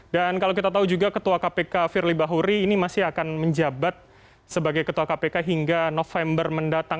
dan kalau kita tahu juga ketua kpk firly bahuri ini masih akan menjabat sebagai ketua kpk hingga november mendatang